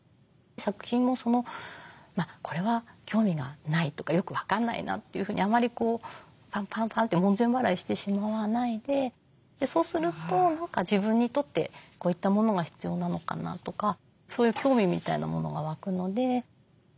作品もこれは興味がないとかよく分かんないなというふうにあまりこうパンパンパンって門前払いしてしまわないでそうすると自分にとってこういったものが必要なのかなとかそういう興味みたいなものが湧くので。